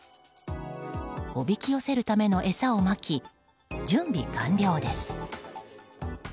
おびき寄せるための餌をまき準備完了です。